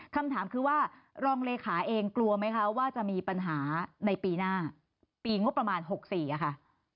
คำถามคือว่ารองเลขาเองกลัวไหมคะว่าจะมีปัญหาในปีหน้าปีงบประมาณ๖๔ค่ะ